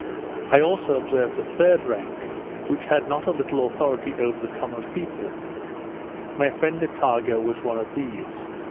I also observed a third rank, who had not a little authority over the common people; my friend Attago was one of these.